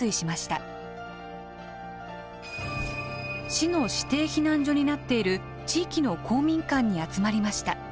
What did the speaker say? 市の指定避難所になっている地域の公民館に集まりました。